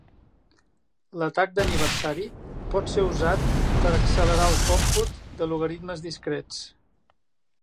L'atac d'aniversari pot ser usat per accelerar el còmput de logaritmes discrets.